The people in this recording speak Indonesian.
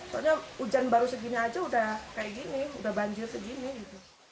soalnya hujan baru segini aja udah kayak gini udah banjir segini gitu